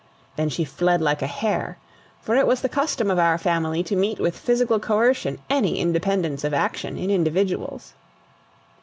Then she fled like a hare; for it was the custom of our Family to meet with physical coercion any independence of action in individuals.